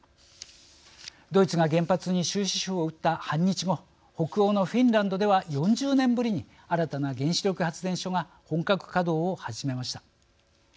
ドイツが原発に終止符を打った半日後北欧のフィンランドでは４０年ぶりに新たな原子力発電所が本格稼働を始めました。